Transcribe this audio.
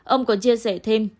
ông còn chia sẻ thêm